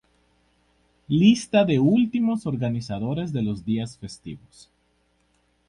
Lista de los últimos organizadores de los días festivos.